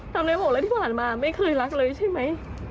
ทำไมบอกแล้วที่ผ่านมาไม่เคยรักเลยใช่ไหม